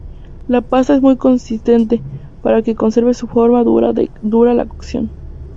La pasta es muy consistente para que conserve su forma durante la cocción.